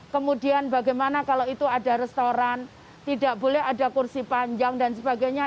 kemudian bagaimana kalau itu ada restoran tidak boleh ada kursi panjang dan sebagainya